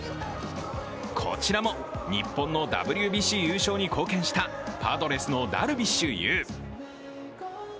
こちらも日本のＷＢＣ優勝に貢献したパドレスのダルビッシュ有。